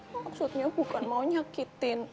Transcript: maksudnya bukan mau nyakitin